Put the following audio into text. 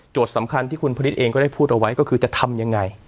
โจทย์สำคัญที่คุณพลิตเองก็ได้พูดเอาไว้ก็คือจะทำยังไง